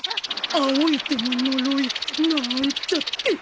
青い手の呪いなーんちゃって。